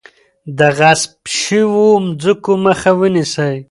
د غصب شوو ځمکو مخه ونیسئ.